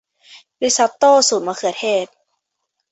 ริซอตโต้สูตรซอสมะเขือเทศ